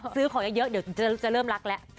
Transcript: ซื้อของเยอะเดี๋ยวจะเริ่มรักแล้ว